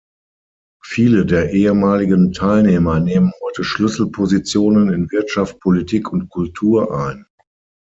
Viele der ehemaligen Teilnehmer nehmen heute Schlüsselpositionen in Wirtschaft, Politik und Kultur ein.